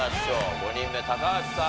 ５人目高橋さん